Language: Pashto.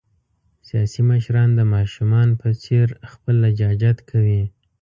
سیاسي مشران د ماشومان په څېر خپل لجاجت کوي.